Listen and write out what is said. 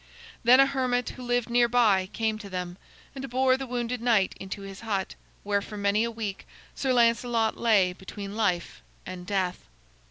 Then a hermit who lived near by came to them, and bore the wounded knight into his hut, where for many a week Sir Lancelot lay between life and death.